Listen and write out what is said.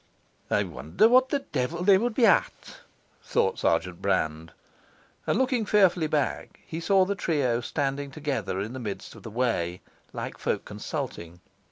'I wonder what the devil they would be at,' thought Sergeant Brand; and, looking fearfully back, he saw the trio standing together in the midst of the way, like folk consulting.